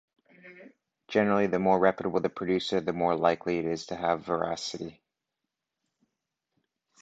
Generally, the more reputable the producer, the more likely it is to have veracity.